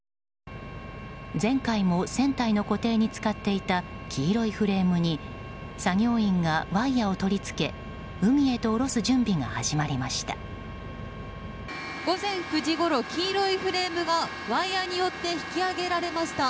前回も船体の固定に使っていた黄色いフレームに作業員がワイヤを取り付け海へと下ろす準備が始まりました。